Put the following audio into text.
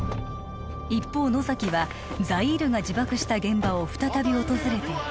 一方野崎はザイールが自爆した現場を再び訪れていた